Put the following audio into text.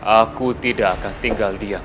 aku tidak akan tinggal dia